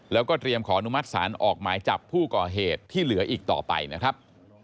แล้วก็เตรียมขออนุมัติศาลออกหมายจับผู้ก่อเหตุที่เหลืออีกต่อไปนะครับ